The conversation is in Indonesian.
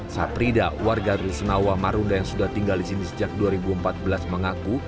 saprida warga rusunawa marunda yang sudah tinggal di sini sejak dua ribu empat belas mengaku